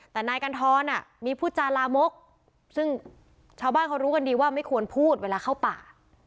แต่นายกันทรมีผู้จาลามกซึ่งชาวบ้านเขารู้กันดีว่าไม่ควรพูดเวลาเข้าป่า